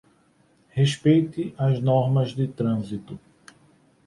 Respeite as normas de trânsito.